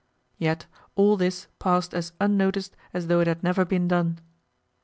Yet all this passed as unnoticed as though it had never been done.